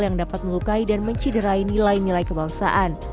yang dapat melukai dan menciderai nilai nilai kebangsaan